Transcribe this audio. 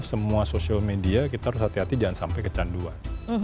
semua social media kita harus hati hati jangan sampai kecanduan